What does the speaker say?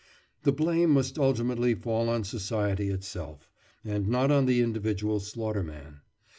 The blame must ultimately fall on society itself, and not on the individual slaughterman.